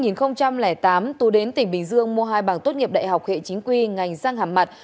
năm hai nghìn tám tú đến tỉnh bình dương mua hai bằng tốt nghiệp đại học hệ chính quy ngành răng hàm mặt